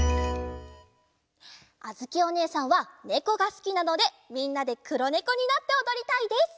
あづきおねえさんはねこがすきなのでみんなでくろねこになっておどりたいです！